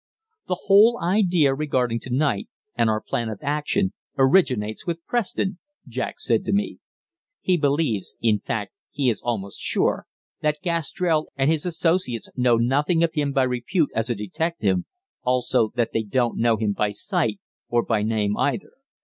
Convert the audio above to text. "The whole idea regarding to night, and our plan of action, originates with Preston," Jack said to me. "He believes in fact, he is almost sure that Gastrell and his associates know nothing of him by repute as a detective, also that they don't know him by sight, or by name either.